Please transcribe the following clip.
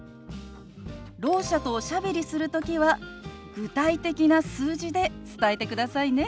ろう者とおしゃべりする時は具体的な数字で伝えてくださいね。